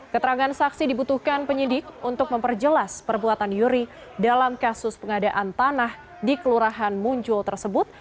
keterangan saksi dibutuhkan penyidik untuk memperjelas perbuatan yuri dalam kasus pengadaan tanah di kelurahan munjol tersebut